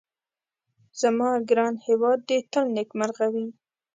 زما ګران هيواد دي تل نيکمرغه وي